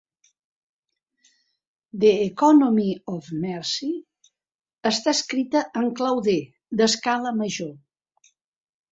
"The Economy of Mercy" està escrita en clau D d'escala major.